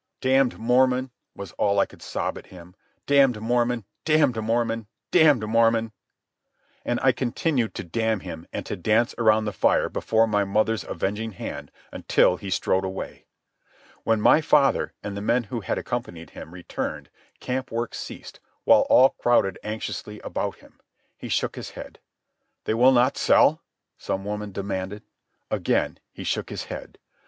"Damned Mormon!" was all I could sob at him. "Damned Mormon! Damned Mormon! Damned Mormon!" And I continued to damn him and to dance around the fire before my mother's avenging hand, until he strode away. When my father, and the men who had accompanied him, returned, camp work ceased, while all crowded anxiously about him. He shook his head. "They will not sell?" some woman demanded. Again he shook his head.